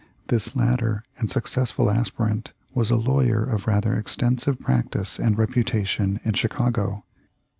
This latter and successful aspirant was a lawyer of rather extensive practice and reputation in Chicago.